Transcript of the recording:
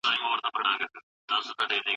قانون مراعاتول د بریا لومړی ګام دی.